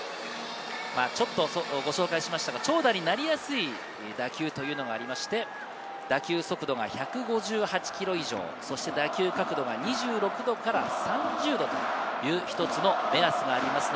ちょっとご紹介しましたが、長打になりやすい打球がありまして、打球速度が１５８キロ以上、そして角度が２６度から３０度という一つの目安があります。